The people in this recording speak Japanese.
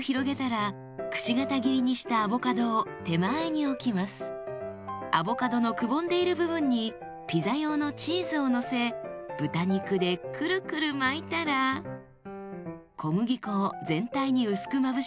アボカドのくぼんでいる部分にピザ用のチーズをのせ豚肉でくるくる巻いたら小麦粉を全体に薄くまぶします。